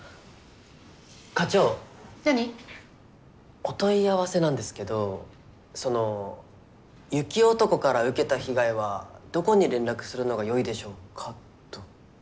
お問い合わせなんですけどその雪男から受けた被害はどこに連絡するのがよいでしょうかと。